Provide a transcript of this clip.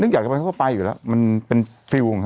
นึกอยากจะไปเขาก็ไปอยู่แล้ว